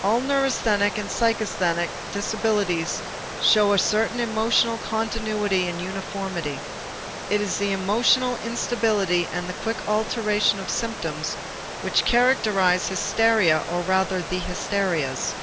All neurasthenic and psychasthenic disabilities show a certain emotional continuity and uniformity. It is the emotional instability and the quick alternation of symptoms which characterize hysteria or rather the hysterias.